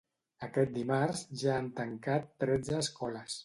Aquest dimarts ja han tancat tretze escoles.